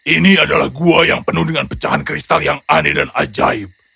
ini adalah gua yang penuh dengan pecahan kristal yang aneh dan ajaib